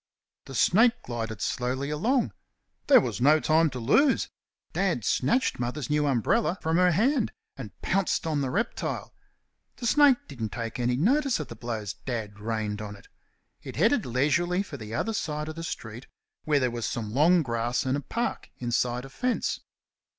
The snake glided slowly along. There was no time to lose. Dad snatched Mother's new umbrella from her hand and pounced on the reptile. The snake didn't take any notice of the blows Dad rained on it. It headed leisurely for the other side of the street, where there was some long grass and a park inside a fence.